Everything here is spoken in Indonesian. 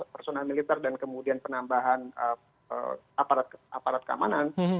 personal militer dan kemudian penambahan aparat aparat keamanan